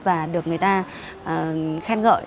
và được người ta khen ngợi